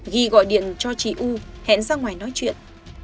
ghi gọi điện cho chị u hẹn ra ngoài nói chuyện